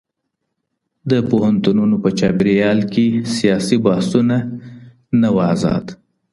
د پوهنتونونو په چاپېریال کي سیاسي بحثونه نه وو ازاد.